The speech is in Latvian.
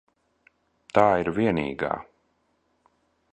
Tā ir vienīgā.